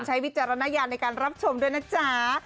วิจารณญาณในการรับชมด้วยนะจ๊ะ